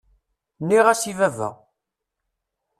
Nniɣ-as i baba.